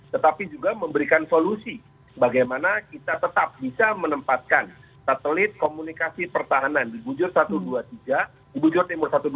tetapi juga memberikan solusi bagaimana kita tetap bisa menempatkan satelit komunikasi pertahanan di kudus timur satu ratus dua puluh tiga ini